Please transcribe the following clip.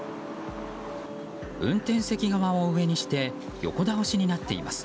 運転席側を上にして横倒しになっています。